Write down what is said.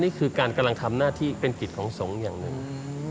นี่คือการกำลังทำหน้าที่เป็นกิจของสงฆ์อย่างหนึ่ง